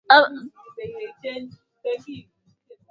Michael Joseph Jackson alizaliwa tarehe ishirini na tisa